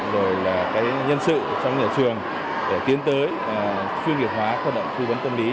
và nhân sự trong nhà trường để tiến tới chuyên nghiệp hóa hoạt động tư vấn tâm lý